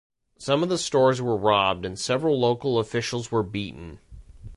Some of the stores were robbed and several local officials were beaten.